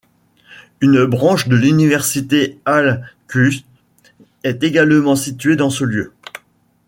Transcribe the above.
Une branche de l'Université al-Quds est également située dans ce lieu.